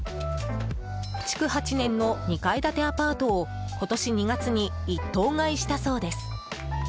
築８年の２階建てアパートを今年２月に一棟買いしたそうです。